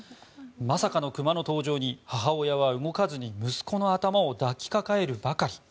まさかの熊の登場に母親は動かずに息子の頭を抱きかかえるばかり。